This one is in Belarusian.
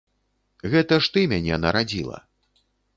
Гэта ж ты мяне нарадзіла.